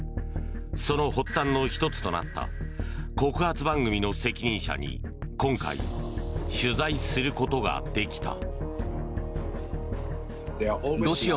その発端の１つとなった告発番組の責任者に今回、取材することができた。